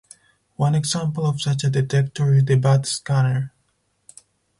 One example of such a detector is the Bat Scanner.